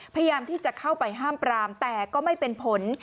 พยายามที่จะเข้าไปห้ามปรามแต่ก็ไม่เป็นผล